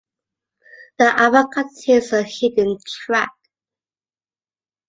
The album contains a hidden track.